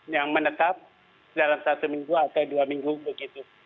yang menetap dalam satu minggu atau dua minggu begitu